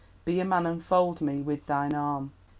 Be a man and fold me With thine arm.